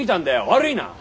悪いな！